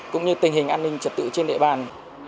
cũng như tình hình an ninh trật tự trên địa bàn